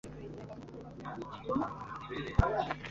n’umucuruzi uhita akamuguraho imikandara